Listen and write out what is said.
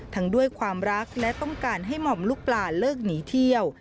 ด้วยความรักและต้องการให้หม่อมลูกปลาเลิกหนีเที่ยว